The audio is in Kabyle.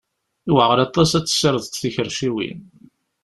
Yewɛer aṭas ad tessirdeḍ tikerciwin.